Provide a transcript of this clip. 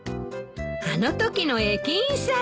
あのときの駅員さん！